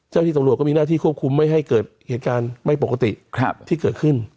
ที่ตำรวจก็มีหน้าที่ควบคุมไม่ให้เกิดเหตุการณ์ไม่ปกติที่เกิดขึ้น